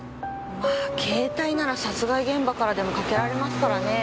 まあ携帯なら殺害現場からでもかけられますからね。